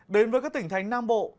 đến với các tỉnh thành nam bộ